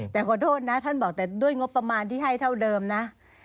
แต่ขอโทษนะท่านบอกแต่ด้วยงบประมาณที่ให้เท่าเดิมนะ